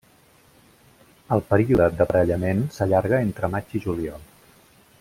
El període d'aparellament s'allarga entre maig i juliol.